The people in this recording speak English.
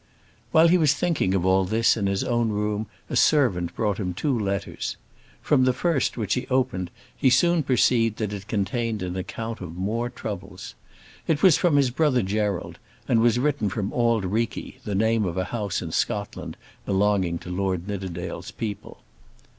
While he was thinking of all this in his own room a servant brought him two letters. From the first which he opened he soon perceived that it contained an account of more troubles. It was from his brother Gerald, and was written from Auld Reikie, the name of a house in Scotland belonging to Lord Nidderdale's people.